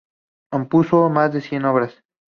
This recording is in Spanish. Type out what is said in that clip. Compuso más de cien obras.